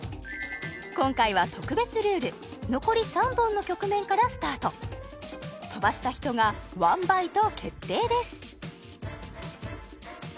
今回は特別ルール残り３本の局面からスタート飛ばした人がワンバイト決定です